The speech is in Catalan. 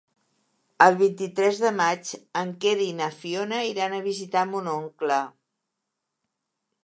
El vint-i-tres de maig en Quer i na Fiona iran a visitar mon oncle.